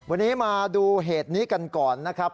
วันนี้มาดูเหตุนี้กันก่อนนะครับ